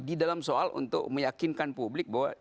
di dalam soal untuk meyakinkan publik bahwa